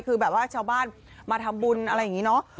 คือแบบว่าชาวบ้านมาทำบุญอะไรอย่างนี้เนอะ